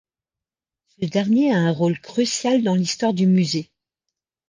Ce dernier a un rôle crucial dans l’histoire du Musée.